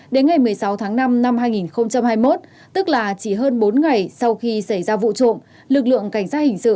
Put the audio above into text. đến ngày một mươi sáu tháng năm năm hai nghìn hai mươi một tức là chỉ hơn bốn ngày sau khi xảy ra vụ trộm lực lượng cảnh sát hình sự